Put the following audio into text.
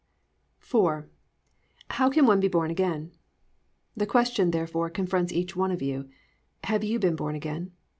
"+ IV. HOW CAN ONE BE BORN AGAIN? The question, therefore, confronts each one of you, Have you been born again?